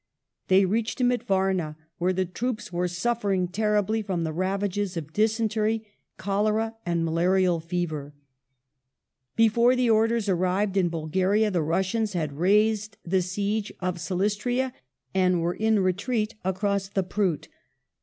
They reached him at Varna, where the troops were suffering terribly from the ravages of dysentery, cholera, and malarial fever. ^ Before the orders arrived in Bulgaria, the Russians had raised the siege of Silistria and were in retreat across the Pruth.